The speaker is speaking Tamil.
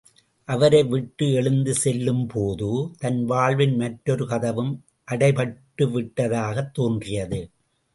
அவரை விட்டு எழுந்து செல்லும் போது, தன் வாழ்வின் மற்றொரு கதவும் அடைப்பட்டுவிட்டதாகத் தோன்றியது.